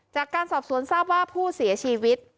จากการสอบสวนทราบว่าผู้เสียชีวิต